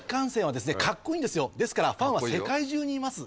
ですからファンは世界中にいます。